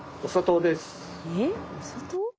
えっお砂糖？